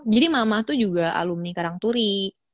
jadi mama tuh juga alumni karangturi